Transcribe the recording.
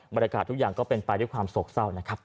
บรรยากาศทุกอย่างก็เป็นไปด้วยความโศกเศร้านะครับ